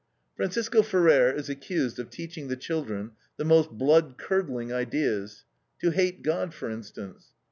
Francisco Ferrer is accused of teaching the children the most blood curdling ideas, to hate God, for instance.